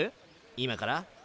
今から？